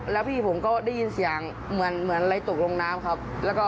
แล้วพี่ผมก็ได้ยินเสียงเหมือนอะไรตกลงน้ำครับ